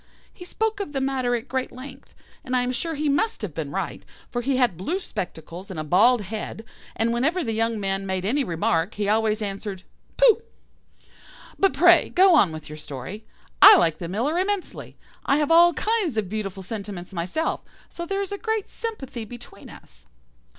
He spoke of the matter at great length, and I am sure he must have been right, for he had blue spectacles and a bald head, and whenever the young man made any remark, he always answered 'Pooh!' But pray go on with your story. I like the Miller immensely. I have all kinds of beautiful sentiments myself, so there is a great sympathy between us."